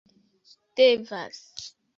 devas